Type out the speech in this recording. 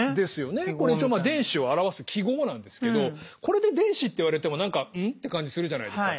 これ一応まあ電子を表す記号なんですけどこれで電子って言われても何か「ん？」って感じするじゃないですか。